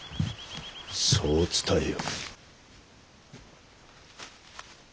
そう伝えよ。